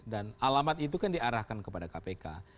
dan alamat itu kan diarahkan kepada kpk